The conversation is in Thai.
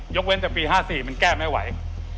เว้นแต่ปี๕๔มันแก้ไม่ไหว